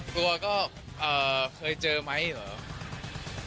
กลัวก็เอ่อเคยเจอมั้ยหรือ